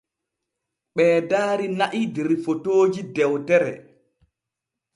Ɓee daari na’i der fotooji dewtere.